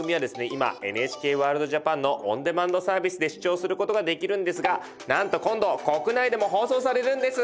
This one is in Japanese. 今「ＮＨＫＷＯＲＬＤＪＡＰＡＮ」のオンデマンドサービスで視聴することができるんですがなんと今度国内でも放送されるんです！